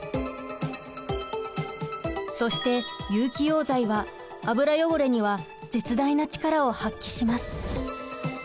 そして有機溶剤は油汚れには絶大な力を発揮します。